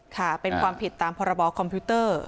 ค่ะเป็นความผิดตามพรบคอมพิวเตอร์